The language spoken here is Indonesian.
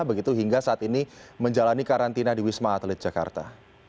begitu hingga saat ini menjalani karantina di wisma atlet jakarta